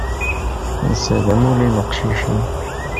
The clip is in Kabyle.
Ass-a d amulli n uqcic-a.